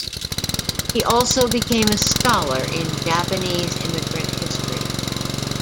He also became a scholar in Japanese immigrant history.